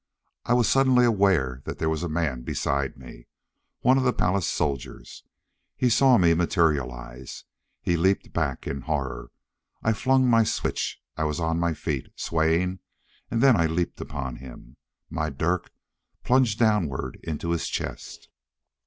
I was suddenly aware that there was a man beside me. One of the palace soldiers. He saw me materialize. He leaped backward in horror. I flung my switch. I was on my feet, swaying, and then I leaped upon him. My dirk plunged downward into his chest.